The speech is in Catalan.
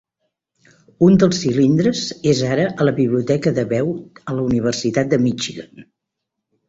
Un dels cilindres és ara a la Biblioteca de Veu a la Universitat de Michigan.